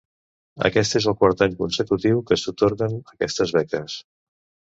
Aquest és el quart any consecutiu que s'atorguen aquestes beques.